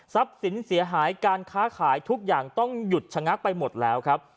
สินเสียหายการค้าขายทุกอย่างต้องหยุดชะงักไปหมดแล้วครับ